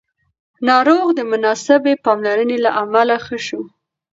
ناروغ د مناسبې پاملرنې له امله ښه شو